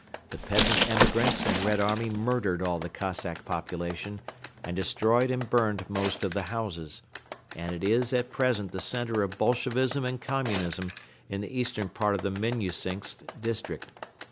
The peasant emigrants and Red army murdered all the Cossack population and destroyed and burned most of the houses; and it is at present the center of Bolshevism and Communism in the eastern part of the Minnusinsk district.